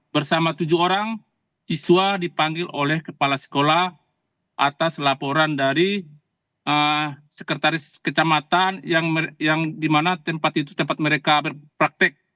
bersama tujuh orang siswa dipanggil oleh kepala sekolah atas laporan dari sekretaris kecamatan yang di mana tempat itu tempat mereka berpraktek